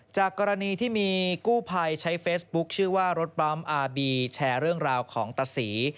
จากกรณีที่มีกู้ภัยใช้เฟซบุ๊คชื่อว่ารถบัมป์อาร์บีแชร์เรื่องราวของตะศรี